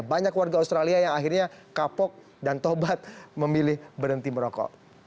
banyak warga australia yang akhirnya kapok dan tobat memilih berhenti merokok